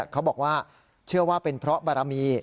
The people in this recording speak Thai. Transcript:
เขาบอกว่าเชื่อว่าเป็นเพราะบารมี